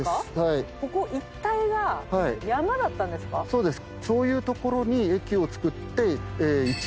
そうです。